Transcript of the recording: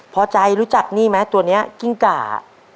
พอใจรู้จักนี่ไหมตัวนี้กิ้งก่า